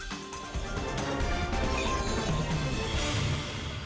sampai jumpa lagi